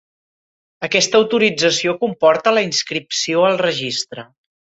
Aquesta autorització comporta la inscripció al Registre.